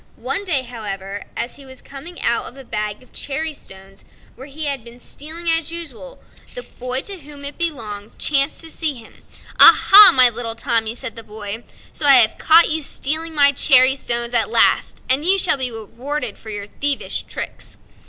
One day, as he was coming out of a bag of cherry stones, where he had been stealing as usual, the boy to whom it belonged chanced to see him. "Ah, ah! my little Tommy," said the boy, "so I have caught you stealing my cherry stones at last, and you shall be rewarded for your thievish tricks."